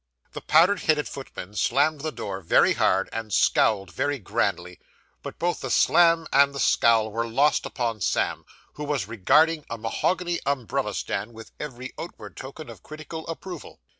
The powdered headed footman slammed the door very hard, and scowled very grandly; but both the slam and the scowl were lost upon Sam, who was regarding a mahogany umbrella stand with every outward token of critical approval.